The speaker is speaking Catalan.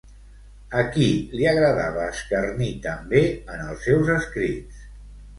A qui li agradava escarnir també en els seus escrits?